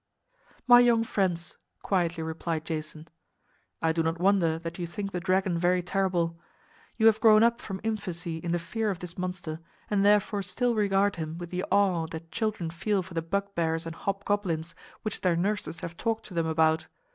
"My young friends," quietly replied Jason, "I do not wonder that you think the dragon very terrible. You have grown up from infancy in the fear of this monster, and therefore still regard him with the awe that children feel for the bugbears and hobgoblins which their nurses have talked to them about.